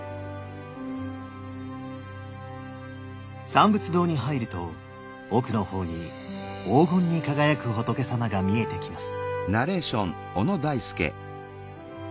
三仏堂に入ると奥の方に黄金に輝く仏さまが見えてきます。